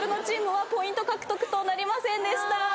チームはポイント獲得となりませんでした。